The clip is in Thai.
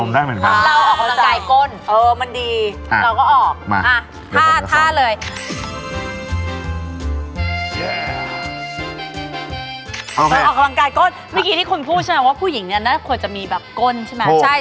เมื่อกี้ที่คุณพูดใช่ไหมว่าผู้หญิงน่าจะควรมีแบบก้นใช่มั้ย